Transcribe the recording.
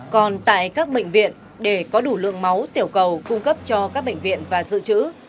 còn tại các bệnh viện để có đủ lượng máu tiểu cầu cung cấp cho các bệnh viện và dự trữ